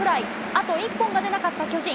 あと一本が出なかった巨人。